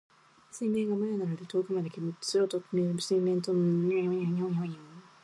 水面がもやなどで遠くまで煙って、空と水面の境界がぼんやりしてはっきりとしないさま。